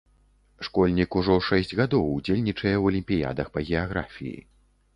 Школьнік ужо шэсць гадоў удзельнічае ў алімпіядах па геаграфіі.